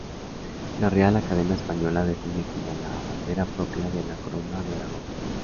La Real Academia Española define como la bandera propia de la corona de Aragón.